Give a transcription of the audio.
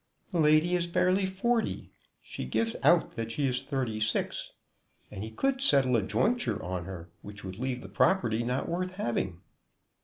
"The lady is barely forty. She gives out that she is thirty six. And he could settle a jointure on her which would leave the property not worth having."